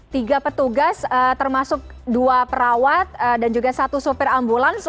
tiga petugas termasuk dua perawat dan juga satu sopir ambulans